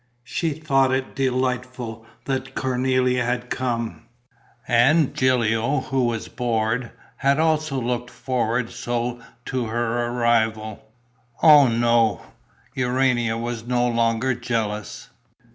She thought it delightful that Cornélie had come; and Gilio, who was bored, had also looked forward so to her arrival. Oh, no, Urania was no longer jealous!